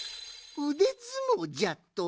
うでずもうじゃと！？